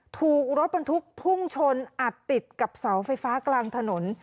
ถูกรถบรรทุกพุ่งชนอัดติดกับเสาไฟฟ้ากลางถนน